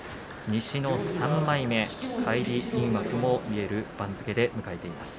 西の３枚目、返り入幕も見える番付です。